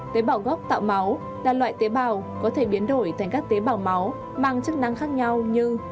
tế bảo gốc tạo máu là loại tế bảo có thể biến đổi thành các tế bảo máu mang chức năng khác nhau như